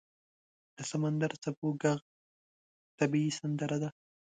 • د سمندر څپو ږغ طبیعي سندره ده.